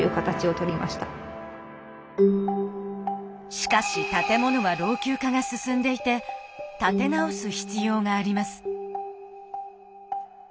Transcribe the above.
しかし建物は老朽化が進んでいて建て直す必要があります。